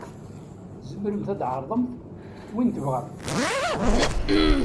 Tzemremt ad d-tɛerḍemt win tebɣamt.